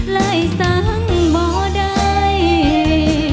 เลยสังบ่ได้อีหลี